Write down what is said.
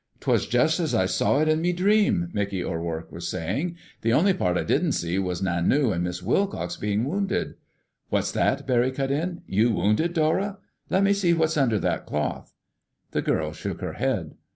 "'Twas just as I saw it in me dream," Mickey Rourke was saying. "The only part I didn't see was Nanu and Miss Wilcox bein' wounded—" "What's that?" Barry cut in. "You wounded, Dora? Let me see what's under that cloth!" The girl shook her head.